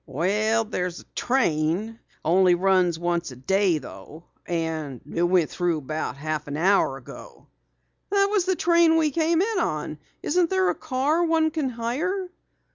"Well, there's a train. Only runs once a day though. And it went through about half an hour ago." "That was the train we came in on. Isn't there a car one can hire?"